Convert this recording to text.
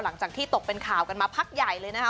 หลังจากที่ตกเป็นข่าวกันมาพักใหญ่เลยนะคะ